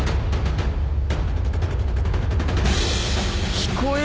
聞こえる？